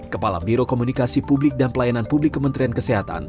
kepala biro komunikasi publik dan pelayanan publik kementerian kesehatan